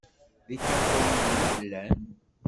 D ikaṭuliyen i tellam?